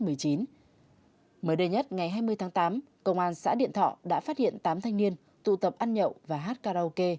mới đây nhất ngày hai mươi tháng tám công an xã điện thọ đã phát hiện tám thanh niên tụ tập ăn nhậu và hát karaoke